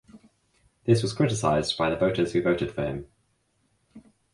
This was criticized by the voters who voted for him.